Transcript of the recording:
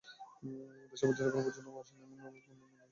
দেশের বাজারে এখন পর্যন্ত আসেনি এমন অনেক পণ্য মেলায় দেখা যাবে।